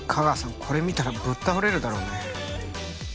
これ見たらぶっ倒れるだろうね。